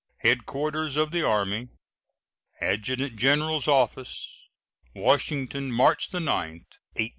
HEADQUARTERS OF THE ARMY, ADJUTANT GENERAL'S OFFICE, Washington, March 9, 1869.